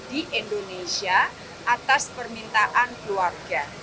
di indonesia atas permintaan keluarga